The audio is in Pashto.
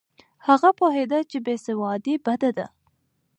هغه پوهېده چې بې سوادي بده ده.